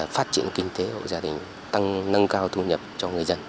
phát triển kinh tế hộ gia đình tăng nâng cao thu nhập cho người dân